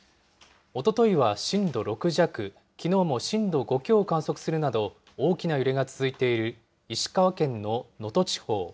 おとといは震度６弱、きのうも震度５強を観測するなど、大きな揺れが続いている石川県の能登地方。